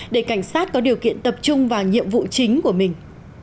để cảnh sát có điều kiện tập trung vào nhiệm vụ chính của mình